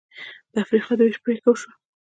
د افریقا د وېش پرېکړه وشوه.